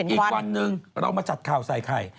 อีกวันหนึ่งเรามาจัดข่าวใส่ไข่